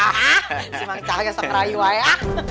si mangcahnya sotra yuk